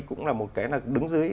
cũng là một cái là đứng dưới